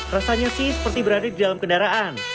rasanya sih seperti berada di dalam kendaraan